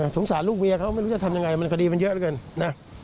สงสารลูกเมียเขาไม่รู้จะทำยังไงมันคดีมันเยอะเหลือเกินนะ